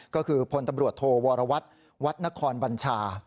ก็คือพลตำรวจโทวรวัตรวัดนครบัญชา